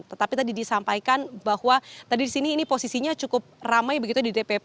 tetapi tadi disampaikan bahwa tadi di sini ini posisinya cukup ramai begitu di dpp